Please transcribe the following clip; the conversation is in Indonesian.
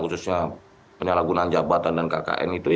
khususnya penyalahgunaan jabatan dan kkn itu